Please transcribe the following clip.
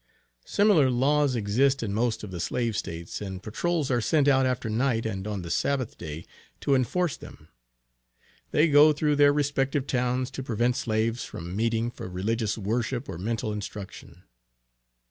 Similar laws exist in most of the slave States, and patrols are sent out after night and on the Sabbath day to enforce them. They go through their respective towns to prevent slaves from meeting for religious worship or mental instruction.